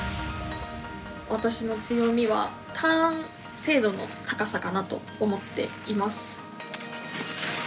私の強みは、ターン精度の高さかなと思っています。